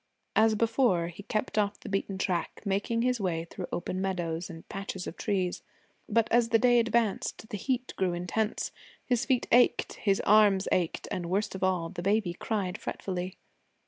As before, he kept off the beaten track, making his way through open meadows, and patches of trees. But as the day advanced, the heat grew intense. His feet ached, his arms ached, and, worst of all, the baby cried fretfully.